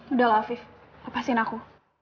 udahlah afif lepasin aku